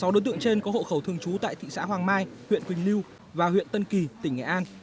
sáu đối tượng trên có hộ khẩu thường trú tại thị xã hoàng mai huyện quỳnh lưu và huyện tân kỳ tỉnh nghệ an